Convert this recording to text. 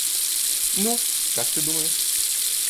Ну, как ты думаешь?